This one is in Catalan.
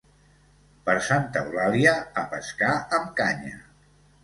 Per Santa Eulàlia, a pescar amb canya.